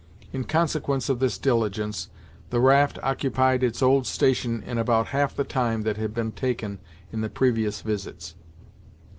In consequence of this diligence, the raft occupied its old station in about half the time that had been taken in the previous visits.